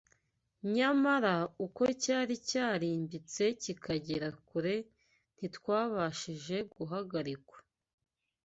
nyamara uko cyari cyarimbitse kikagera kure ntikwabashije guhagarikwa